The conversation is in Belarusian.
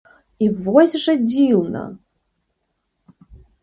І вось жа дзіўна!